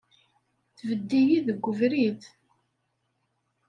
Tbedded-iyi deg ubrid!